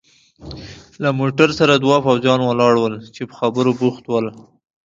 له موټر سره دوه پوځیان ولاړ ول چې په خبرو بوخت ول.